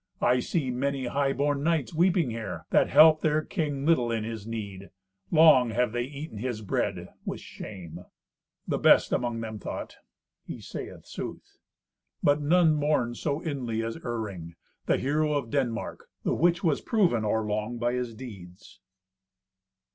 "I see many high born knights weeping here, that help their king little in his need. Long have they eaten his bread with shame." The best among them thought, "He sayeth sooth." But none mourned so inly as Iring, the hero of Denmark; the which was proven or long by his deeds.